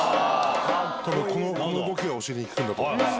この動きがお尻に効くんだと思います。